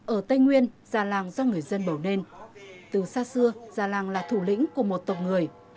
ở tây nguyên già làng do người dân bầu nên từ xa xưa già làng là thủ lĩnh của một tộc người